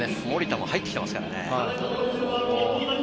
守田も入ってきていますからね。